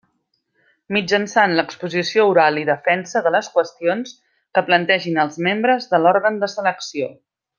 Mitjançant l'exposició oral i defensa de les qüestions que plantegin els membres de l'òrgan de selecció.